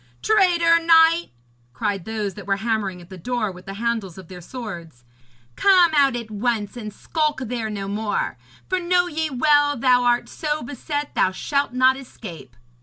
'Traitor knight,' cried those that were hammering at the door with the handles of their swords, 'come out at once and skulk there no more, for know ye well thou art so beset that thou shalt not escape.'